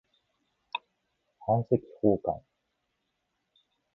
版籍奉還